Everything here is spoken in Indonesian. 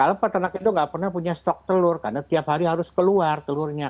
karena peternak itu nggak pernah punya stok telur karena tiap hari harus keluar telurnya